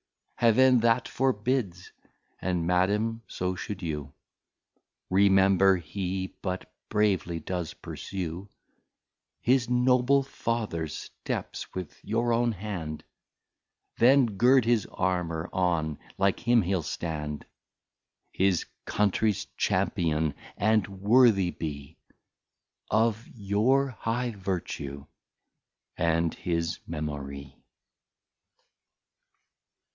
Heaven that forbids, and Madam so should you; Remember he but bravely does pursue His Noble Fathers steps; with your own Hand Then Gird his Armour on, like him he'll stand, His Countries Champion, and Worthy be Of your High Vertue, and his Memory.